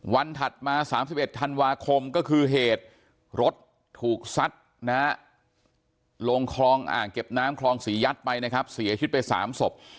ถัดมา๓๑ธันวาคมก็คือเหตุรถถูกซัดนะฮะลงคลองอ่างเก็บน้ำคลองศรียัดไปนะครับเสียชีวิตไป๓ศพ